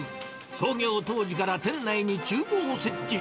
創業当時から店内にちゅう房を設置。